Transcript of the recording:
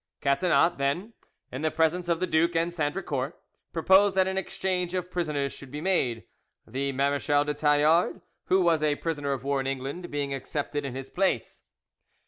Catinat then, in the presence of the duke and Sandricourt, proposed that an exchange of prisoners should be made, the Marechal de Tallard, who was a prisoner of war in England, being accepted in his place.